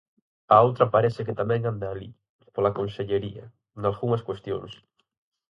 A outra parece que tamén anda alí, pola consellería, nalgunhas cuestións.